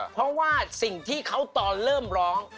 เพราะว่าสิ่งที่เขาตอนเริ่มร้อง